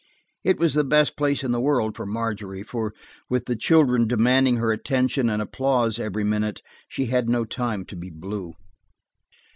It was the best place in the world for Margery, for, with the children demanding her attention and applause every minute, she had no time to be blue.